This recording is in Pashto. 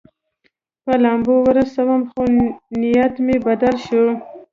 په لامبو ورسوم، خو نیت مې بدل شو.